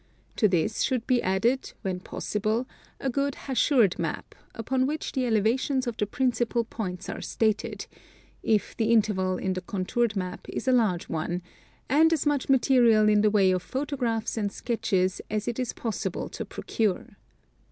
To this should be added, when possible, a good hachured map, upon which the elevations of the principal points are stated, — if the interval in the contoured map is a large one, — and as much material in the way of photographs and sketches as it is possible to procure.